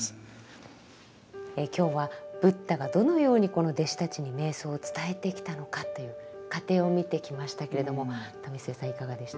今日はブッダがどのようにこの弟子たちに瞑想を伝えてきたのかという過程を見てきましたけれども為末さんいかがでしたか？